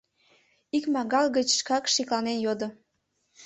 Икмагал гыч шкак шекланен йодо: